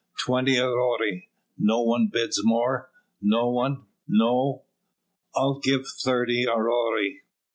"Twenty aurei! no one bids more no one no " "I'll give thirty aurei!"